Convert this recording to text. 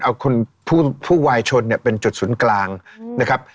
เอาผู้วายชนเป็นจุดศูนย์กลางนะครับ